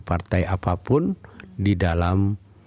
partai apapun di dalam